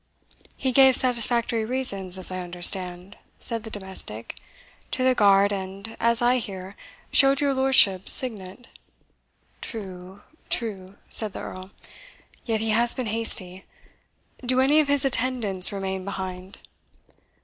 "He gave satisfactory reasons, as I understand," said the domestic, "to the guard, and, as I hear, showed your lordship's signet " "True true," said the Earl; "yet he has been hasty. Do any of his attendants remain behind?"